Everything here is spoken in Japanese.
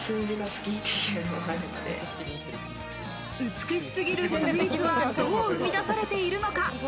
美しすぎるスイーツはどう生み出されているのか。